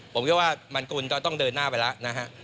ผมคิดว่ามันควรจะต้องเดินหน้าไปแล้วนะฮะ